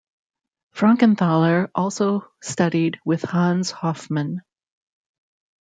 Frankenthaler also studied with Hans Hofmann.